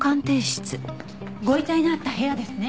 ご遺体のあった部屋ですね？